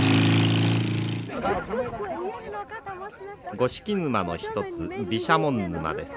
五色沼の一つ毘沙門沼です。